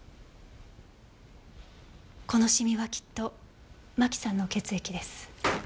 このシミはきっと真紀さんの血液です。